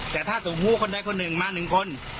แต่ถ้าสมมุติคนใดคนหนึ่งมา๑คน